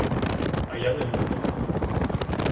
А я не буду?!